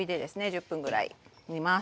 １０分ぐらい煮ます。